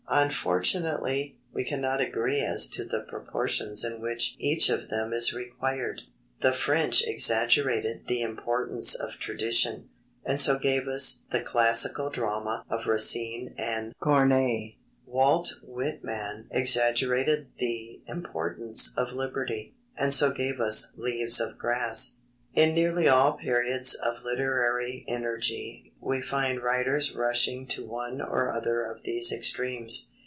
Unfortunately, we cannot agree as to the proportions in which each of them is required. The French exaggerated the importance of tradition, and so gave us the classical drama of Racine and Corneille. Walt Whitman exaggerated the importance of liberty, and so gave us Leaves of Grass. In nearly all periods of literary energy, we find writers rushing to one or other of these extremes.